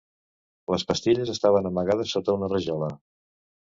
Les pastilles estaven amagades sota una rajola.